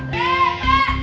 terima kasih bu